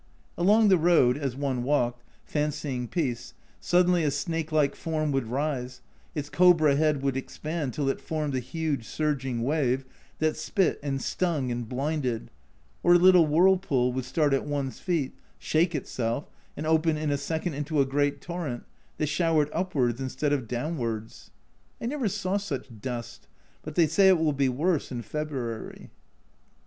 Along the road, as one walked, fancying peace, suddenly a snake like form would rise, its cobra head would expand till it formed a huge surging wave, that spit and stung and blinded ; or a little whirlpool would start at one's feet, shake itself and open in a second into a great torrent, that showered upwards instead of downwards. I never saw such dust, but they say it will be worse in February.